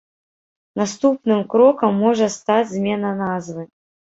Наступным крокам можа стаць змена назвы.